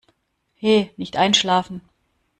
He, nicht einschlafen.